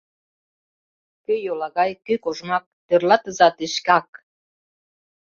Кӧ йолагай, кӧ кожмак Тӧрлатыза те шкак.